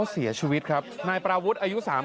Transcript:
สวยสวยสวยสวยสวยสวยสวย